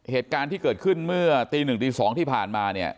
เหตุการณ์ที่เกิดขึ้นเมื่อตี๑ตี๒ที่ผ่านมาเนี่ย